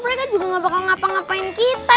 mereka juga gak bakal ngapa ngapain kita